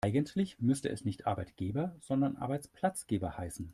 Eigentlich müsste es nicht Arbeitgeber, sondern Arbeitsplatzgeber heißen.